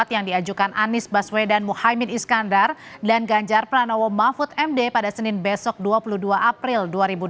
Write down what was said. yang diajukan anies baswedan muhaymin iskandar dan ganjar pranowo mahfud md pada senin besok dua puluh dua april dua ribu dua puluh